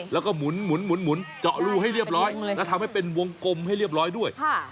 แล้วก็หมุนเจาะรูให้เรียบร้อยแล้วทำให้เป็นวงกลมให้เรียบร้อยด้วย